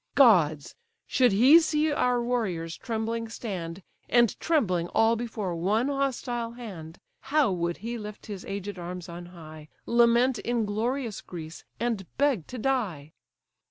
Gods! should he see our warriors trembling stand, And trembling all before one hostile hand; How would he lift his aged arms on high, Lament inglorious Greece, and beg to die!